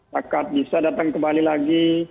maka bisa datang kembali lagi